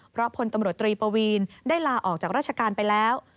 เพราะพลตำรวจตรีปวีนได้ลาออกจากราชการไปแล้ว